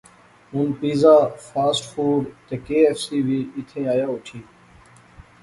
ہن پیزا، فاسٹ فوڈ تے کے ایف سی وی ایتھیں آیا اوٹھی